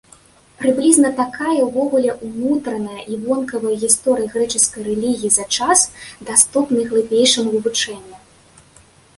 Прыблізна такая, увогуле, унутраная і вонкавая гісторыя грэчаскай рэлігіі за час, даступны глыбейшаму вывучэнню.